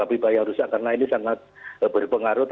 merupakan pengguna suku manasa